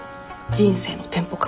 人生のテンポ感。